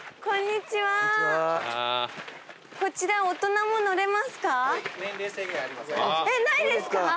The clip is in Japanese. こちら大人も乗れますか？